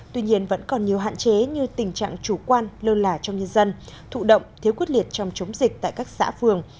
tuy nhiên vẫn còn nhiều hạn chế như tình trạng chủ quan lơ lả trong nhân dân thụ động thiếu quyết liệt trong chống dịch tại các xã phường